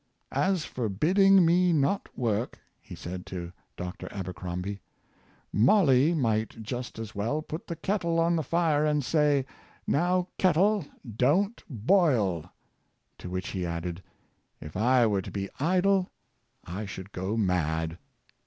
" As for bidding me not work," he said to Dr. Abercrombie, " Molly might just as well put the kettle on the fire and say, ' Now, kettle, Sir Walter Scott. 491 don't boil;'" to which he added, "If I were to be idle, I should go mad